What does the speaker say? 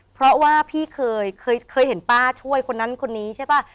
เพราะว่าพี่เคยเคยเห็นป้าช่วยคนนั้นคนนี้ใช่ป่ะ